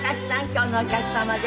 今日のお客様です。